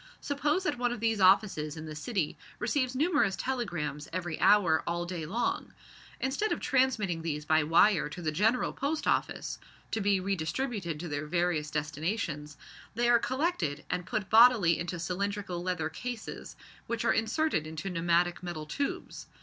Suppose that one of these offices in the city receives numerous telegrams every hour all day long, instead of transmitting these by wire to the General Post Office, to be re distributed to their various destinations, they are collected and put bodily into cylindrical leather cases, which are inserted into pneumatic metal tubes.